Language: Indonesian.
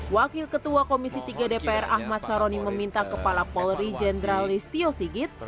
wakil ketua komisi tiga dpr ahmad saroni meminta kepala polri jenderal listio sigit